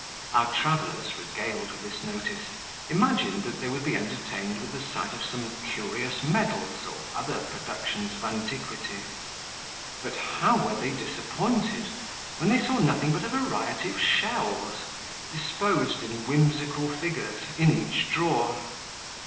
Our travellers, regaled with this notice, imagined that they would be entertained with the sight of some curious medals, or other productions of antiquity; but how were they disappointed, when they saw nothing but a variety of shells, disposed in whimsical figures, in each drawer!